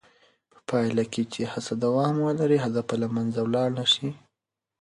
په پایله کې چې هڅه دوام ولري، هدف به له منځه ولاړ نه شي.